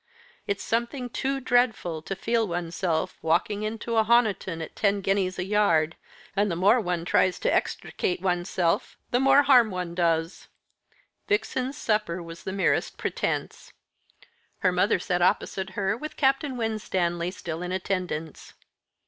It's something too dreadful to feel oneself walking into honiton at ten guineas a yard, and the more one tries to extricate oneself the more harm one does." Vixen's supper was the merest pretence. Her mother sat opposite her, with Captain Winstanley still in attendance.